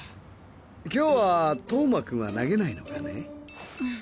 今日は投馬君は投げないのかね？